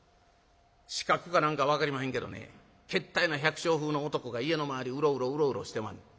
「刺客か何か分かりまへんけどねけったいな百姓風の男が家の周りうろうろうろうろしてまんねん。